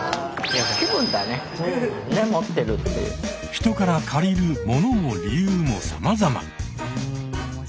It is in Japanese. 人から借りる「もの」も「理由」もさまざま。